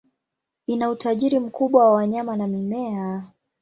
Ina utajiri mkubwa wa wanyama na mimea.